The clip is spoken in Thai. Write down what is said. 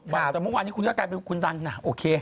แต่เมื่อวานนี้คุณก็กลายเป็นคุณดันนะโอเค